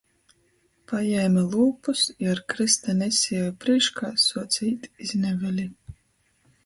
Pajēme lūpus i ar krysta nesieju prīškā suoce īt iz Neveli.